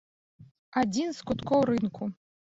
Адзін з куткоў рынку.